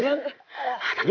aduh aduh aduh